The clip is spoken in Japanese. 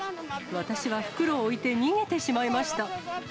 私は袋を置いて逃げてしまいました。